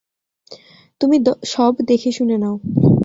তুমি সব দেখে শুনে নাও।